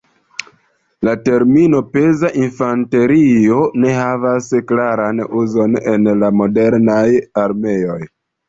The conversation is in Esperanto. La termino "peza infanterio" ne havas klaran uzon en la modernaj armeoj.